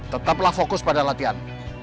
tetaplah fokus pada latihan